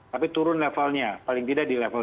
tapi turun levelnya paling tidak di level